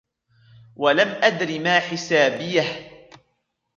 وَلَمْ أَدْرِ مَا حِسَابِيَهْ